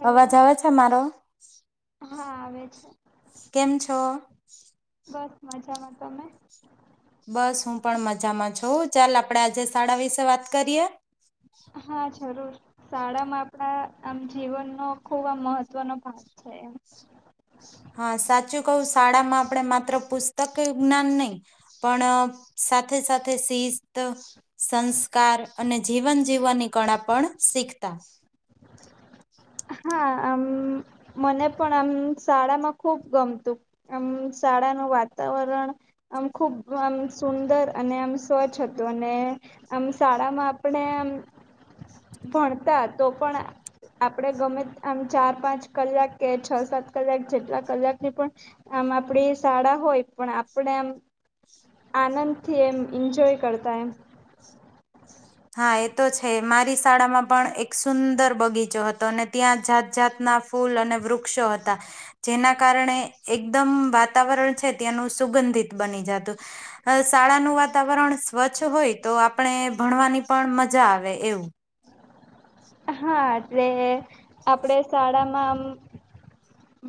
Hello અવાજ આવે છે મારો હા આવે છે કેમ છો બસ મજામાં તમે બસ હું પણ મજામાં છું ચાલ આપડે આજે શાળા વિશે વાત કરીએ હા જરૂર શાળામાં આપડા આમ જીવનનો ખુબ આમ મહત્વનો ભાગ છે એમ હા સાચું કહું શાળામાં આપણે માત્ર પુસ્તક જ્ઞાન નહી પણ સાથે સાથે શિસ્ત સંસ્કાર અને જીવન જીવવાની કળા પણ શીખતા હા આમ મને પણ આમ શાળામાં ખુબ ગમતું આમ શાળાનું વાતાવરણ આમ ખૂબ આમ સુંદર અને આમ સ્વચ્છ હતું અને આમ શાળામાં આપણે આમ ભણતા તો પણ આપડણે ગમે આમ ચાર પાંચ કલાક કે છ સાત કલાક જેટલા કલાકની પણ આમ આપણી શાળા હોય પણ આપણે આમ આનંદથી એમ ઈન્જોય કરતા એમ હા એ તો છે મારી શાળામાં પણ એક સુંદર બગીચો હતો અને ત્યાં જાત જાતના ફૂલ અને વૃક્ષો હતા જેના કારણે એકદમ વાતાવરણ છે ત્યાનું સુગંધિત બની જાતું શાળાનું વાતાવરણ સ્વચ્છ હોય તો આપણે ભણવાની પણ મજા આવે એવું હા એટલે આપડે શાળામાં આમ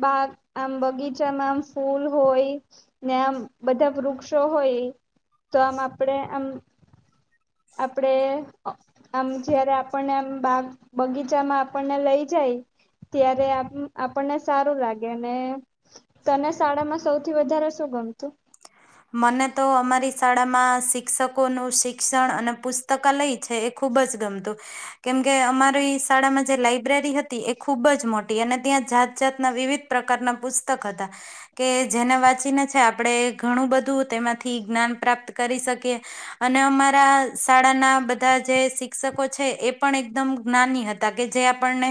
બા આમ બગીચામાં આમ ફૂલ હોય ને આમ બધા વૃક્ષો હોય તો આમ આપડે આમ આપણે આમ જયારે આપણને આમ બા બગીચામાં આપણને લઈ જાય ત્યારે આપણને સારું લાગે અને તને શાળામાં સૌથી વધારે શું ગમતું મને તો અમારી શાળામાં શિક્ષકોનું શિક્ષણ અને પુસ્તકાલય છે એ ખૂબ જ ગમતું કેમકે અમારી શાળામાં જે લાઈબ્રેરી હતી એ ખૂબ જ મોટી અને ત્યાં જાત જાતના વિવિધ પ્રકારના પુસ્તક હતા કે જેને વાંચીને છે આપણે ઘણું બધું તેમાંથી જ્ઞાન પ્રાપ્ત કરી શકીએ અને અમારા શાળાના બધા જે શિક્ષકો છે એ પણ એકદમ જ્ઞાની હતા કે જે આપણને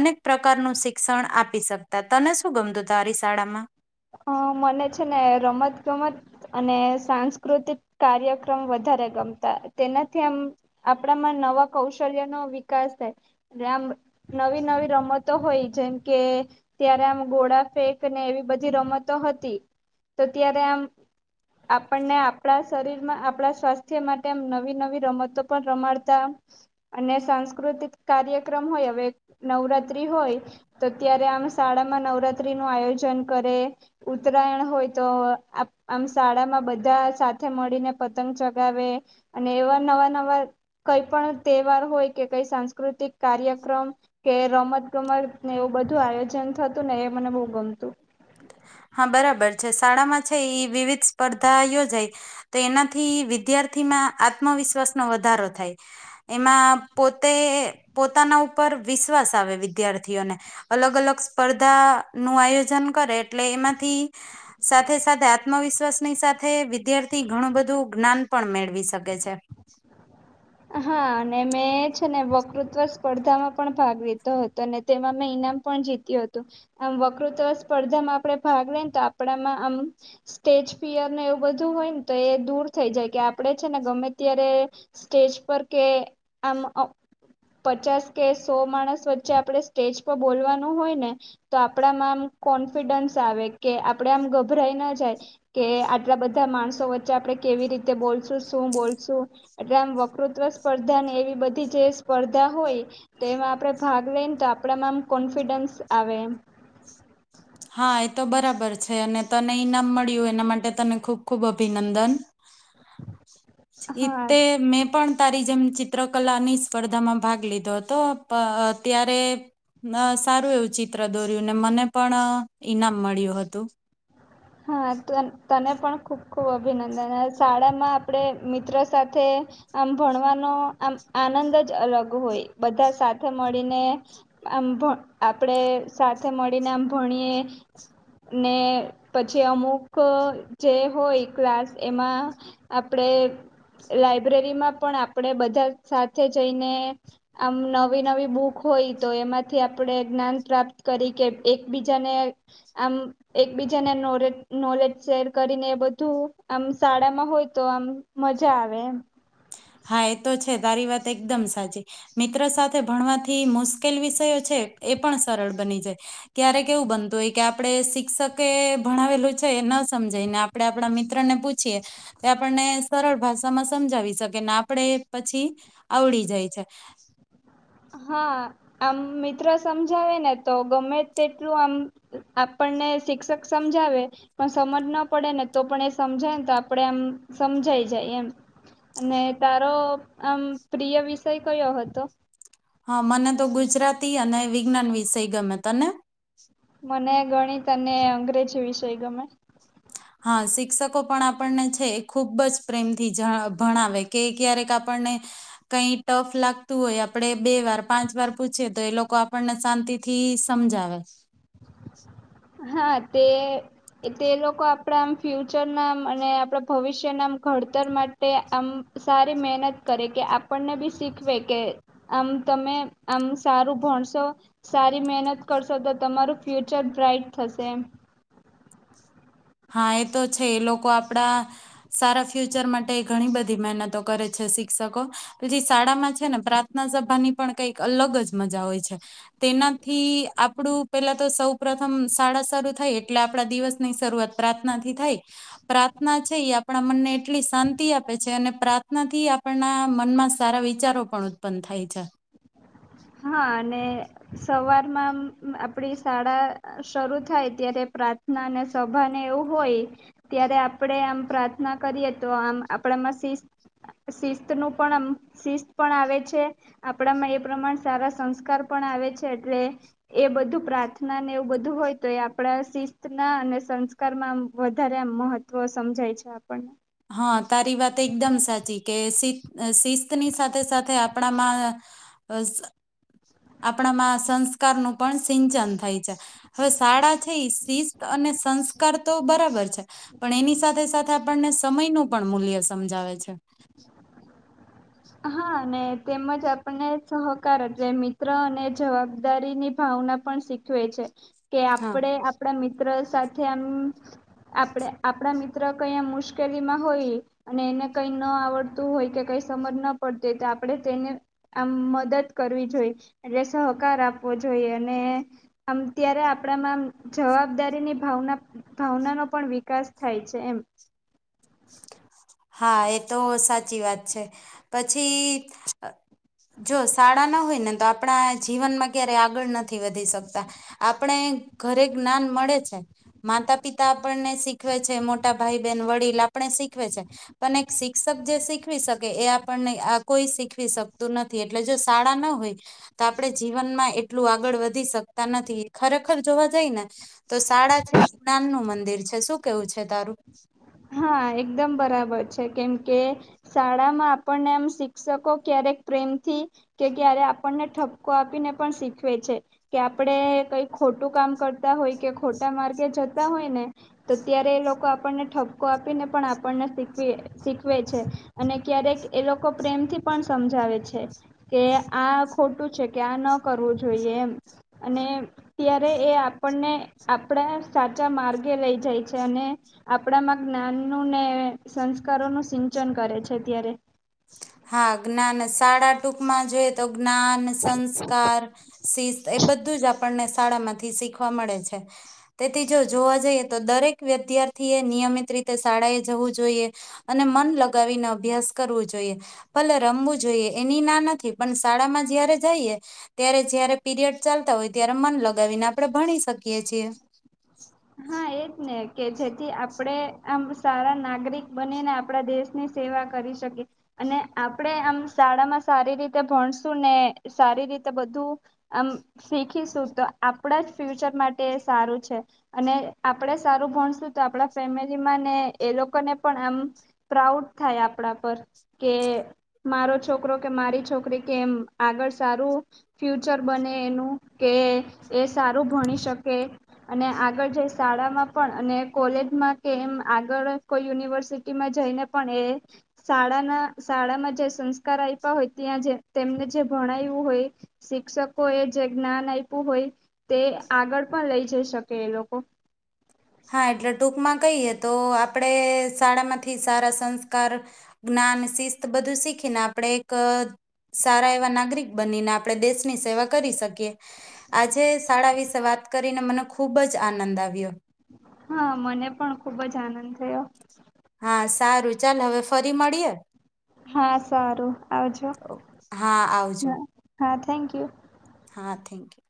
અનેક પ્રકારનું શિક્ષણ આપી શકતા તને શું ગમતું તારી શાળામાં હ મને છે ને રમત ગમત અને સાંસ્કૃતિક કાર્યક્રમ વધારે ગમતા તેનાથી આમ આપણામાં નવા કૌશલ્યનો વિકાસ થાય આમ નવી નવી રમતો હોય જેમ કે ત્યારે આમ ગોડા ફેંક ને એવી બધી રમતો હતી તો ત્યારે આમ આપણને આપણા શરીરમાં આપણા સ્વાસ્થ્ય માટે આમ નવી નવી રમતો પણ રમાડતા અને સાંસ્કૃતિક કાર્યક્રમ હોય હવે નવરાત્રી હોય તો ત્યારે અમે શાળામાં નવરાત્રીનું આયોજન કરે ઉત્તરાયણ હોય તો આમ શાળામાં બધા સાથે મળીને પતંગ ચગાવે અને એવા નવા નવા કઈ પણ તહેવાર હોય કે કઈ સાંસ્કૃતિક કાર્યક્રમ કે રમત ગમત ને એવું બધું આયોજન થતું ને એ મને બહુ ગમતું. હા બરાબર છે શાળામાં છે એ વિવિધ સ્પર્ધા યોજાય તો એનાથી વિદ્યાર્થીમાં આત્મવિશ્વાસનો વધારો થાય એમાં પોતે પોતાના ઉપર વિશ્વાસ આવે વિદ્યાર્થીઓને અલગ અલગ સ્પર્ધાનું આયોજન કરે એટલે એમાંથી સાથે સાથે આત્મવિશ્વાસની સાથે વિદ્યાર્થી ઘણું બધું જ્ઞાન પણ મેળવી શકે છે. હા અને મેં છે ને વકૃત્વ સ્પર્ધામાં પણ ભાગ લીતો હતો અને તેમાં મેં ઈનામ પણ જીત્યું હતું આમ વકૃત્વ સ્પર્ધામાં આપણે ભાગ લઈને તો આપણામાં આમ સ્ટેજ ફિયરને એવું બધું હોય ને તો એ દૂર થઈ જાય કે આપડે છે ને ગમે ત્યારે સ્ટેજ પર કે આમ પચાસ કે સો માણસ વચ્ચે આપણે સ્ટેજ પર બોલવાનું હોય ને તો આપણામાં આમ કોન્ફિડન્સ આવે કે આપણે આમ ગભરાઈ ના જાય કે આટલા બધા માણસો વચ્ચે આપણે કેવી રીતે બોલશું શું બોલશું એટલે આમ વકૃતવ સ્પર્ધા એવી બધી જે સ્પર્ધા હોય તો એમાં આપણે ભાગ લઈને તો આપણામાં આમ કોન્ફિડન્સ આવે એમ હા એ તો બરાબર છે અને તને ઈનામ મળ્યું એના માટે તને ખૂબ ખૂબ અભિનંદન હા એતે મેં પણ તારી જેમ ચિત્રકલાની સ્પર્ધામાં ભાગ લીધો હતો ત્યારે સારું એવું ચિત્ર દોર્યું ને મને પણ ઈનામ મળ્યું હતું. હા તને પણ ખૂબ ખુબ અભિનંદન શાળામાં આપણે મિત્રો સાથે આમ ભણવાનો આમ આનંદ જ અલગ હોય બધા સાથે મળીને આમ આપણેે સાથે મળીને આમ ભણીએ ને પછી અમુક જે હોય ક્લાસ એમાં આપણે લાઈબ્રેરીમાં પણ આપણે બધા સાથે જઈને આમ નવી નવી બુક હોય તો એમાંથી આપણે જ્ઞાન પ્રાપ્ત કરી કે એકબીજાને આમ એક બીજ જાને નોરેત નોલેજ શેર કરીને બધું આમ શાળામાં હોય તો આમ મજા આવે એમ હા એ તો છે તારી વાત એકદમ સાચી મિત્ર સાથે ભણવાથી મુશ્કેલ વિષયો છે એ પણ સરળ બની જાય ક્યારેક કેવું બનતું હોય કે આપડે શિક્ષકે ભણાવેલું છે ન સમજાય ને આપણે આપણા મિત્રને પૂછીએ તો આપણને સરળ ભાષામાં સમજાવી શક કે ને આપડે પછી આવડી જાય છે. હા આમ મિત્ર સમજાવે ને તો ગમે તેટલું આમ આપણને શિક્ષક સમજાવે પણ સમજ ન પડે ને તો પણ એ સમજાયને તો આપણે આમ સમજાઈ જાય એમ અને તારો આમ પ્રિય વિષય કયો હતો. હા મને તો ગુજરાતી અને વિજ્ઞાન વિષય ગમે તને મને ગણિત અને અંગ્રેજી વિષય ગમે હા શિક્ષકો પણ આપણને છે એ ખૂબ જ પ્રેમથી ભણાવે કે ક્યારેક આપણને કઈ ટફ લાગતું હોય આપણેે બે વાર પાંચ વાર પૂછીએ તો એ લોકો આપણને શાંતિથી સમજાવે હા તે તે લોકો આપણા આમ ફ્યુચર ના અને આપણા ભવિષ્યના આમ ઘડતર માટે આમ સારી મહેનત કરે કે આપણને બી શીખવે કે આમ તમે આમ સારું ભણશો સારી મહેનત કરશો તો તમારું ફ્યુચર બ્રાાઈટ થસે એમ હા એ તો છે એ લોકો આપડા સારા ફ્યુચર માટે ઘણી બધી મહેનતો કરે છે શિક્ષકો પછી શાળામાં છે ને પ્રાર્થના સભાની પણ કઈક અલગ જ મજા હોય છે તેનાથી આપણું પેલા તો સૌ પ્રથમ શાળા શરૂ થઈ એટલે આપણા દિવસની શરૂઆત પ્રાર્થનાથી થાય પ્રાર્થના છે એ આપણા મનને એટલી શાંતિ આપે છે અને પ્રાર્થનાથી આપના મનમાં સારા વિચારો પણ ઉત્પન્ન થાય છે. હા અને સવારમાં આમ આપડી શાળા શરૂ થાય ત્યારે પ્રાર્થના અને સભા ને એવું હોય ત્યારે આપડે આમ પ્રાર્થના કરીએ તો આમ આપડામાં શિસ્ત શિસ્તનું પણ આમ શિસ્ત પણ આવે છે આપણામાં એ પ્રમાણ સારા સંસ્કાર પણ આવે છે એટલે એ બધું પ્રાર્થના ને એવું બધું હોય તો એ આપણા શિસ્ત ના અને સંસ્કારમાં વધારે મહત્વ સમજાય છે આપણને હા તારી વાત એકદમ સાચી કે શિત શિસ્તની સાથે સાથે આપણામાં આપણામાં સંસ્કારનું પણ સિંચન થાય છે હવે શાળા છે શિસ્ત અને સંસ્કાર તો બરાબર છે. પણ એની સાથે સાથે પણને સમયનું પણ મૂલ્ય સમજાવે છે. હા અને તેમજ આપણને સહકાર એટલે મિત્ર અને જવાબદારીની ભાવના પણ શીખવે છે. કે હા આપડે આપણા મિત્ર સાથે આમ આપણે આપણા મિત્ર કઈ આમ મુશ્કેલીમાં હોય અને એને કઈ ન આવડતું હોય કે કઈ સમજ ન પડતી તો આપણે તેને આમ મદદ કરવી જોઈએ. એટલે સહકાર આપવો જોઈએ. અને આમ ત્યારે આપણામાં આમ જવાબદારીની ભાવના ભાવનાનો પણ વિકાસ થાય છે એમ. હા એ તો સાચી વાત છે. પછી જ જો શાળા ના હોયને તો આપણા જીવનમાં ક્યારે આગળ નથી વધી શકતા. આપણે ઘરે જ્ઞાન મળે છે. માતા પિતા આપણને શીખવે છે, મોટા ભાઈ બહેન, વડીલ આપણે શીખવે છે. પણ એક શિક્ષક જે શીખવી શકે એ આપણને આ કોઈ શીખવી શકતું નથી, એટલે જો શાળા ન હોય તો આપણે જીવનમાં એટલું આગળ વધી શકતા નથી. ખરેખર જોવા જઈ ને તો શાળા [unintelligible] નું મંદિર છે. શું કેવું છે તારું? હા એકદમ બરાબર છે. કેમ કે શાળામાં આપણને એમ શિક્ષકો ક્યારેક પ્રેમથી કે ક્યારેક આપણને ઠપકો આપીને પણ શીખવે છે, કે આપણે કઈ ખોટું કામ કરતા હોય કે ખોટા માર્ગે જતા હોય ને તો ત્યારે એ લોકો આપણને ઠપ કો આપીને પણ આપણને શીખવે-શીખવે છે, અને ક્યારેક એ લોકો પ્રેમથી પણ સમજાવે છે, કે આ ખોટું છે, કે આ ન કરવું જોઈએ એમ. અને ત્યારે એ આપણને આપણા સાચા માર્ગે લઈ જાય છે, અને આપણામાં જ્ઞાન નું ને સંસ્કારો નું સિંચન કરે છે ત્યારે. હા જ્ઞાન ને શાળા ટુ કમાં જો તો જ્ઞાન, સંસ્કાર, શિસ્ત એ બધું જ આપણને શીખ શાળા માંથી શીખવા મળે છે. તેથી જો જોવા જઈએ તો દરેક વિદ્યાર્થી એ નિયમિત રીતે શાળા એ જવું જોઈએ, અને મન લગાવીને અભ્યાસ કરવું જોઈએ. ભલે રમવું જોઈએ એની ના નથી, પણ શાળામાં જયારે જઈએ ત્યારે જ્યારે પીરિયડ ચાલતા હોય ત્યારે મન લગાવીને આપણે ભણી શકીએ છીએ. હા એજ ને. કે જેથી આપણે આમ સારા નાગરિક બનીને આપણા દેશની સેવા કરી શકીએ, અને આપણે આમ શાળામાં સારી રીતે ભણશું, ને સારી રીતે બધું આમ શીખીશું તો આપણા જ ફ્યુચર માટે એ સારું છે. અને આપણે સારું ભણશું તો આપણા ફેમિલીમાં ને એ લોકોને પણ આમ પ્રાઉડ થાય આપણા પર, કે મારો છોકરો કે મારી છોકરી કેમ એમ આગળ સારું ફ્યુચર બને એનું, કે એ સારું ભણી શકે અને આ આગળ જઈ શાળામાં પણ અને કોલેજમાં કે એમ આગળ કોઈ યુનિવર્સિટીમાં જઈને પણ એ શાળાના શાળામાં જે સંસ્કાર આયપા હોય, ત્યાં જે તેમને જે ભણાયવું હોય, શિક્ષકો એ જે જ્ઞાન આપ્યું હોય, તે આગળ પણ લઈ જઈ શકે એ લોકો [inaudible] હા એટલે ટૂંકમાં કહીએ તો આપડે શાળા માંથી સારા સંસ્કાર જ્ઞાન, શિસ્ત બધું શીખીને આપણે એક સારા એવા નાગરિક બનીને આપણે દેશની સેવા કરી શકીએ. આજે શાળા વિશે વાત કરીને મને ખૂબ જ આનંદ આવ્યો. હા મને પણ ખુબ જ આનંદ થયો હા. સારું ચાલ. હવે ફરી મળીએ. હા સારું સા હા આવજો. હા થેન્ક યુ. હા થેન્ક યુ.